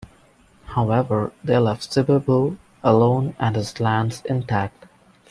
However, they left Zibhebhu alone and his lands intact.